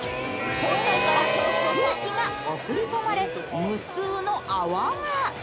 本体から空気が送り込まれ無数の泡が。